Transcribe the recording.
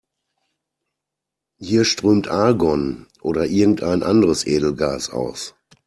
Hier strömt Argon oder irgendein anderes Edelgas aus.